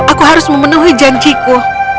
aku harus memenuhi janjiku